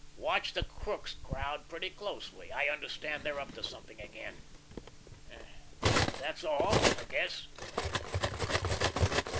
Watch the Crookes crowd pretty closely. I understand they're up to something again. That's all, I guess."